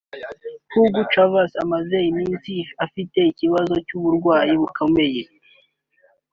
Hugo Chavez amaze iminsi afite ibibazo by’uburwayi bikomeye